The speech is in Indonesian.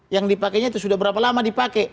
yang dipakainya itu sudah berapa lama dipakai